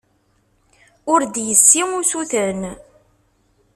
Ur d-yessi usuten.